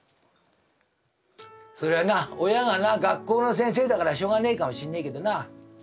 それはな親がな学校の先生だからしょうがねえかもしんねえけどな。